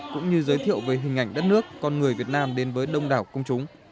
cũng như giới thiệu về hình ảnh đất nước con người việt nam đến với đông đảo công chúng